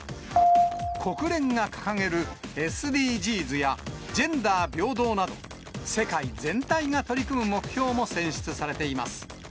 国連が掲げるＳＤＧｓやジェンダー平等など、世界全体が取り組む目標も選出されています。